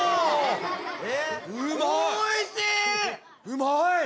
うまい！